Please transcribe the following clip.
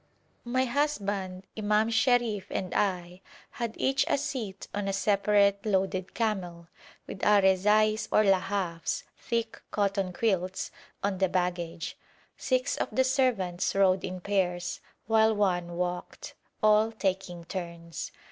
My husband, Imam Sherif and I had each a seat on a separate loaded camel, with our rezais or lahafs thick cotton quilts on the baggage; six of the servants rode in pairs while one walked, all taking turns.